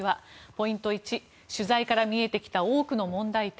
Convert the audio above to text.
ポイント１取材から見えてきた多くの問題点